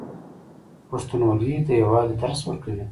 پښتونولي د یووالي درس ورکوي.